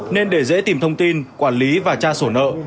nên để dễ tìm thông tin quản lý và tra sổ nợ